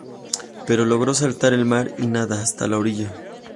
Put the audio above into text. Pero logra saltar al mar y nada hasta la orilla.